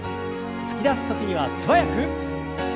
突き出す時には素早く。